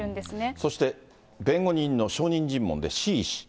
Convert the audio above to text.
そして弁護人の証人尋問でＣ医師。